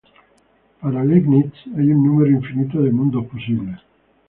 Para Leibniz hay un número infinito de mundos posibles.